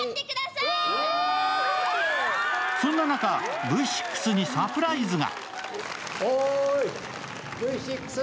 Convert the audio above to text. そんな中、Ｖ６にサプライズが。